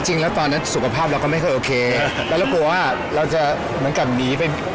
จริงแล้วตอนนั้นสุขภาพเราก็ไม่เคยโอเคแล้วเรากลัวว่าเราจะเหมือนกับหนีไป